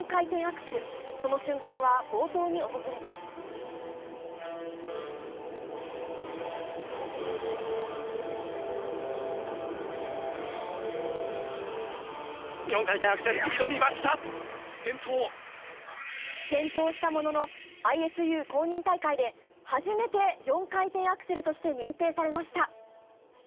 転倒したものの、ＩＳＵ公認大会で初めて４回転アクセルとして認定されました。